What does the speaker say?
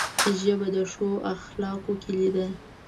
ژبه د ښو اخلاقو کلۍ ده